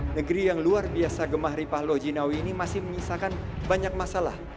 negeri yang luar biasa gemah ripah lojinawi ini masih menyisakan banyak masalah